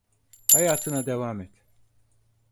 Hayatına devam et.